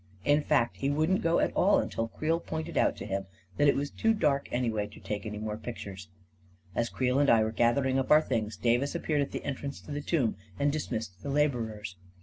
In fact, he wouldn't go at all until Creel pointed out to him that it was too dark anyway to take any more pictures. As Creel and I were gathering up our things, Davis appeared at the entrance to the tomb and dis missed the laborers.